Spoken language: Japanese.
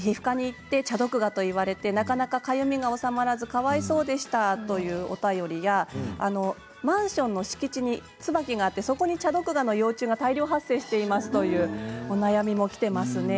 皮膚科に行ってチャドクガと言われてなかなか、かゆみが治まらずかわいそうでしたというお便りやマンションの敷地に椿があってそこにチャドクガの幼虫が大量発生していますというお悩みもきていますね。